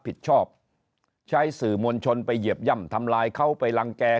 ผิดชอบใช้สื่อมวลชนไปเหยียบย่ำทำลายเขาไปรังแก่